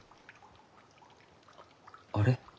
あれ？